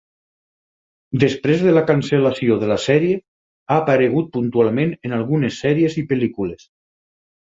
Després de la cancel·lació de la sèrie, ha aparegut puntualment en algunes sèries i pel·lícules.